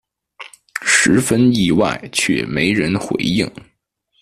十分意外却没人回应